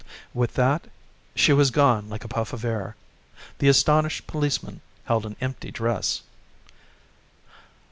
With that, she was gone like a puff of air. The astonished policemen held an empty dress.